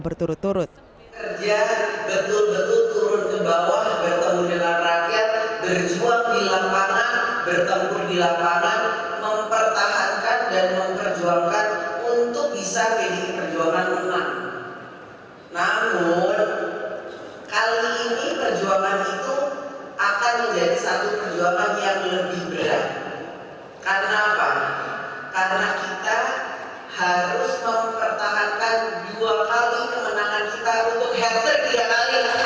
karena kita harus mempertahankan dua kali kemenangan kita untuk herde di atas